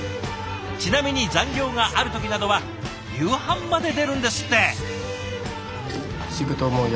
ちなみに残業がある時などは夕飯まで出るんですって！